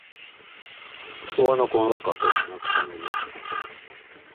Szolnokon lakatosnak tanult.